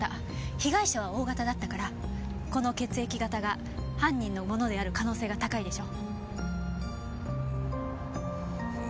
被害者はＯ型だったからこの血液型が犯人のものである可能性が高いでしょ？